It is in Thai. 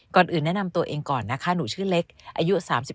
ก่อนอื่นแนะนำตัวเองก่อนนะคะหนูชื่อเล็กอายุ๓๒